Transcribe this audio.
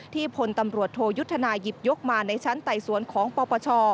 พลตำรวจโทยุทธนาหยิบยกมาในชั้นไต่สวนของปปช